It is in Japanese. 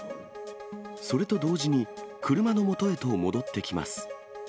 それと同時に、車のもとへと戻ってきます。